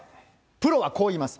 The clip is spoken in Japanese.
プロはこう言います。